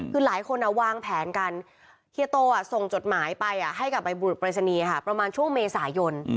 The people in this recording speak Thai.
คือหลายคนเอาวางแผนกันเฮโต้ส่งจดหมายไปให้กับบริษณีย์ประมาณช่วงเมษายน